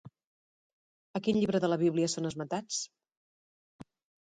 A quin llibre de la Bíblia són esmentats?